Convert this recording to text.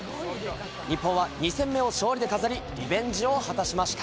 日本は２戦目を勝利で飾り、リベンジを果たしました。